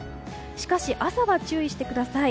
しかし、朝は注意してください。